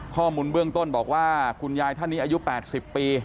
ข้อมูลเบื้องต้นบอกว่าคุณยายท่านนี้อายุ๘๐ปี